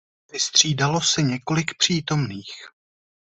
Vystřídalo se několik přítomných.